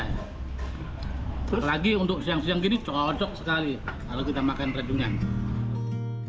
apalagi untuk siang siang gini cocok sekali kalau kita makan rajungan